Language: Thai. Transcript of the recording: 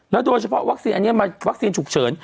โดยเฉพาะวัคซีนอันนี้มาวัคซีนฉุกเฉิน